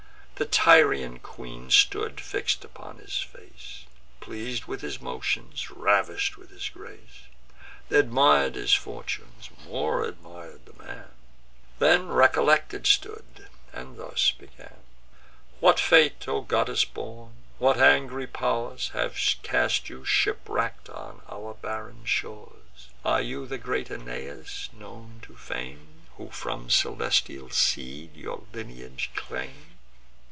The Tyrian queen stood fix'd upon his face, Pleas'd with his motions, ravish'd with his grace; Admir'd his fortunes, more admir'd the man; Then recollected stood, and thus began: "What fate, O goddess born; what angry pow'rs Have cast you shipwreck'd on our barren shores? Are you the great Aeneas, known to fame, Who from celestial seed your lineage claim?